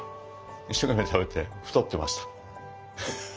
一生懸命食べて太ってました。